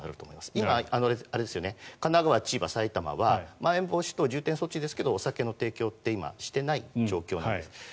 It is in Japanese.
今は神奈川、千葉、埼玉はまん延防止等重点措置ですけどお酒の提供って今、してない状況です。